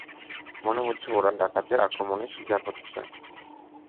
মনে হচ্ছে ওরা ডাকাতের আক্রমণের শিকার হচ্ছে।